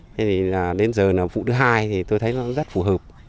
thế nên là đến giờ là vụ thứ hai thì tôi thấy nó rất phù hợp